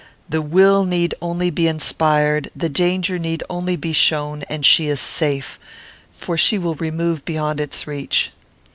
The will need only be inspired, the danger need only be shown, and she is safe, for she will remove beyond its reach."